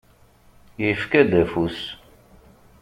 Yefka-d afus.